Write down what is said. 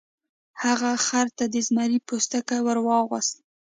هغه خر ته د زمري پوستکی ور واغوسته.